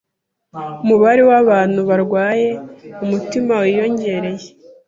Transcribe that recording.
Umubare w'abantu barwaye umutima wiyongereye.